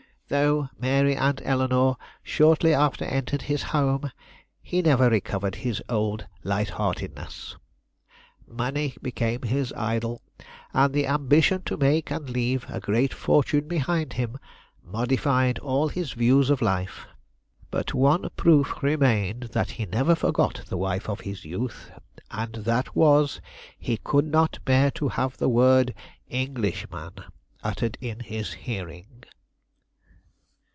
Though Mary and Eleanore shortly after entered his home, he never recovered his old light heartedness. Money became his idol, and the ambition to make and leave a great fortune behind him modified all his views of life. But one proof remained that he never forgot the wife of his youth, and that was, he could not bear to have the word 'Englishman' uttered in his hearing."